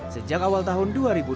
sejak awal tahun dua ribu dua puluh